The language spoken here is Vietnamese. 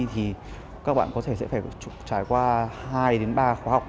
thì các bạn có thể sẽ phải trải qua hai ba khóa học